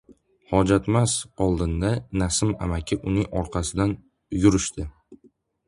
Xo‘jamast oldinda, Nasim amaki uning orqasidan yurishdi.